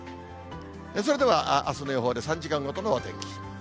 それでは、あすの予報で３時間ごとのお天気。